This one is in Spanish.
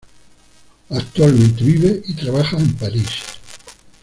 Actualmente vive y trabaja en París.